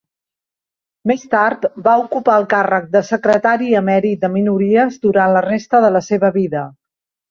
Més tard, va ocupar el càrrec de secretari emèrit de minories durant la resta de la seva vida.